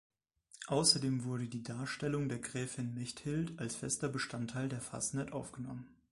Außerdem wurde die Darstellung der Gräfin Mechthild als fester Bestandteil der Fasnet aufgenommen.